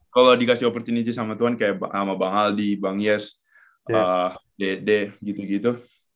kalau dikasih opportunity sama tuhan kayak sama bang aldi bang yes dede gitu gitu